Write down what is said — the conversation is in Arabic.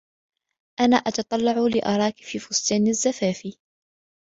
أنا أتتطلع لأراكِ في فستان الزفاف.